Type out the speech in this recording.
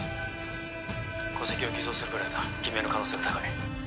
戸籍を偽造するぐらいだ偽名の可能性が高い。